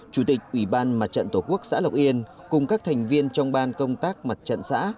chủ tịch ủy ban mặt trận tổ quốc xã lộc yên cùng các thành viên trong ban công tác mặt trận xã